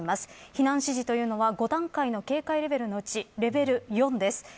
避難支持というのは５段階の警戒レベルのうちレベル４です。